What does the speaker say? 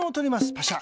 パシャ。